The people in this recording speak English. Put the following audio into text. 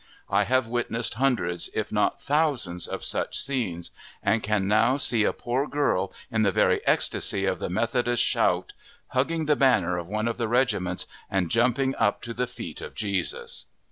I have witnessed hundreds, if not thousands, of such scenes; and can now see a poor girl, in the very ecstasy of the Methodist "shout," hugging the banner of one of the regiments, and jumping up to the "feet of Jesus."